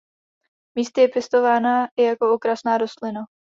Místy je pěstována i jako okrasná rostlina.